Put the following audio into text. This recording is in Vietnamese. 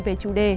về chủ đề